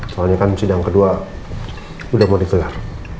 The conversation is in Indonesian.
soalnya kan sidang kedua sudah mau dikelar